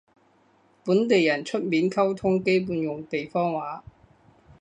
本地人出面溝通基本用地方話